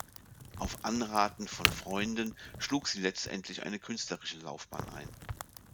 Auf Anraten von Freunden schlug sie letztlich eine künstlerische Laufbahn ein.